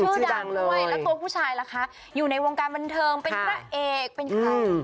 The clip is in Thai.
ชื่อดังด้วยแล้วตัวผู้ชายล่ะคะอยู่ในวงการบันเทิงเป็นพระเอกเป็นใคร